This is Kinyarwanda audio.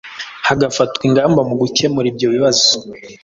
hagafatwa n’ingamba mu gukemura ibyo bibazo